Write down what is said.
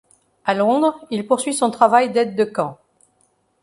À Londres, il poursuit son travail d'aide de camp.